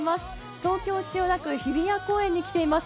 東京・千代田区、日比谷公園に来ています。